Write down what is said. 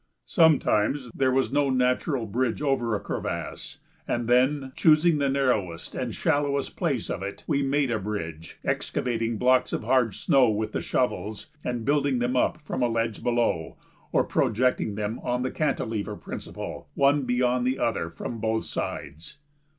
Sometimes there was no natural bridge over a crevasse, and then, choosing the narrowest and shallowest place in it, we made a bridge, excavating blocks of hard snow with the shovels and building them up from a ledge below, or projecting them on the cantilever principle, one beyond the other from both sides.